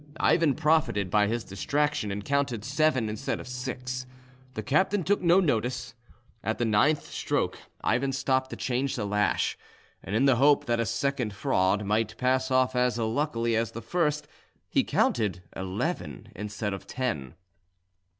Ivan profited by his distraction, and counted seven instead of six: the captain took no notice. At the ninth stroke Ivan stopped to change the lash, and in the hope that a second fraud might pass off as luckily as the first, he counted eleven instead of ten.